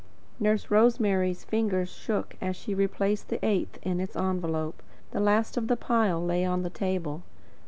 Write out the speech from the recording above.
Nurse Rosemary's fingers shook as she replaced the eighth in its envelope. The last of the pile lay on the table.